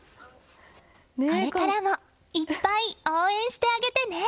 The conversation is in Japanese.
これからもいっぱい応援してあげてね！